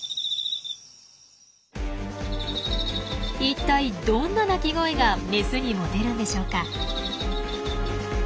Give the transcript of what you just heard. いったいどんな鳴き声がメスにモテるんでしょうか？